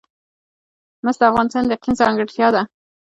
مس د افغانستان د اقلیم ځانګړتیا ده.